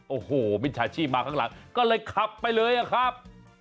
โอ้โหมิจฉาชีพมาข้างหลังก็เลยขับไปเลยอะครับ